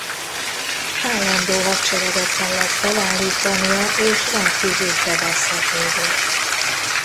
Állandó hadsereget kellett felállítania és rendkívül sebezhető volt.